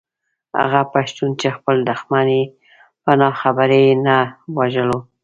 هغه پښتون چې خپل دښمن يې په ناخبرۍ نه وژلو.